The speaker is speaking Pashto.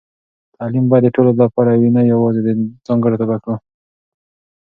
تعلیم باید د ټولو لپاره وي، نه یوازې د ځانګړو طبقو.